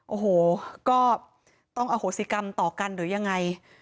โอ้โหก็ต้องอโหสิกรรมต่อกันหรือยังไง